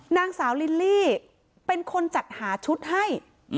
นางสาวลิลลี่เป็นคนจัดหาชุดให้